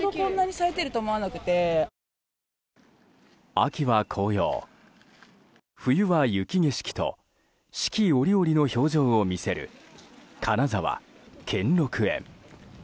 秋は紅葉、冬は雪景色と四季折々の表情を見せる金沢・兼六園。